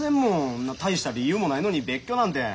んな大した理由もないのに別居なんて。